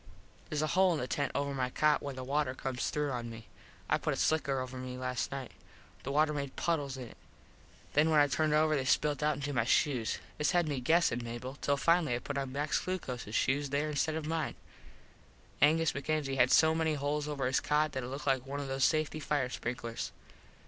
Theres a hole in the tent over my cot where the water comes through on me. I put a slicker over me last nite. The water made puddles in it. Then when I turned over they spilt out into my shoes. This had me guessin Mable till finally I put Max Glucoses shoes there instead of mine. Angus MacKenzie had so many holes over his cot that it looked like one of those safety fire sprinklers.